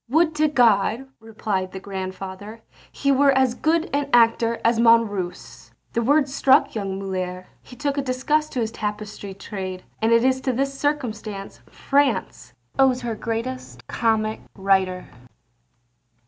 "Would to God," replied the grandfather, "he were as good an actor as Monrose." The words struck young Molière, he took a disgust to his tapestry trade, and it is to this circumstance France owes her greatest comic writer.